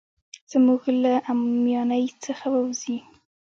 زموږ له اميانۍ څخه ووزي.